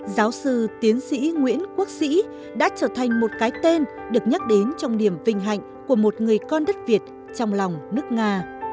giáo sư tiến sĩ nguyễn quốc sĩ đã trở thành một cái tên được nhắc đến trong niềm vinh hạnh của một người con đất việt trong lòng nước nga